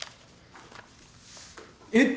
えっ！